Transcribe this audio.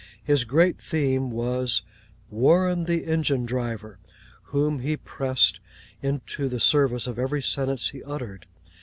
His great theme was 'Warren the ěn_gine_ driver,' whom he pressed into the service of every sentence he uttered.